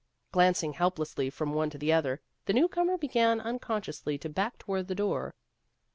Glancing helplessly from one to the other, the newcomer began un consciously to back toward the door.